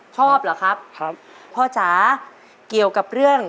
ชอบเหรอครับครับพ่อจ๋าเกี่ยวกับเรื่อง